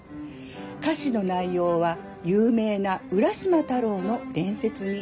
歌詞の内容は有名な浦島太郎の伝説に基づいています。